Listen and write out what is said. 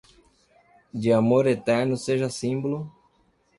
De amor eterno seja símbolo